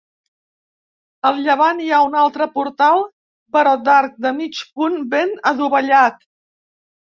Al llevant hi ha un altre portal, però d'arc de mig punt ben adovellat.